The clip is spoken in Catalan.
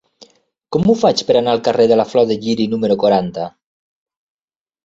Com ho faig per anar al carrer de la Flor de Lliri número quaranta?